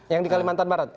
yang di kalimantan barat